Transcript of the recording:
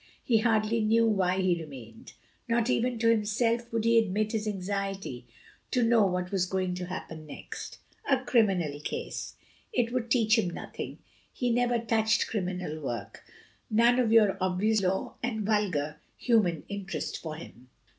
He hardly knew why he remained; not even to himself would he admit his anxiety to know what was going to happen next. A criminal case! It would teach him nothing; he never touched criminal work; none of your obvious law and vulgar human interest for him.